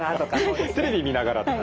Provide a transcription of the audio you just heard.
テレビ見ながらとか。